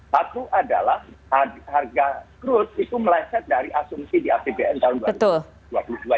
satu adalah harga growth itu meleset dari asumsi di apbn tahun dua ribu dua puluh dua